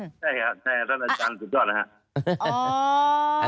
ใช่ครับใช่ท่านอาจารย์สุดยอดนะครับ